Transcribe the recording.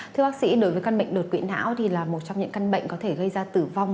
thưa bác sĩ đối với căn bệnh đột quỵ não thì là một trong những căn bệnh có thể gây ra tử vong